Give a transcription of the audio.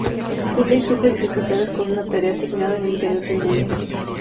Hurley sufre dificultades con una tarea asignada en el interior del búnker.